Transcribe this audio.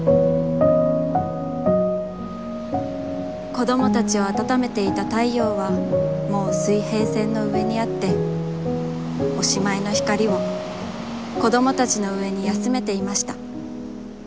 子どもたちをあたためていた太陽は、もう水平線の上にあって、おしまいの光を、子どもたちの上にやすめていました。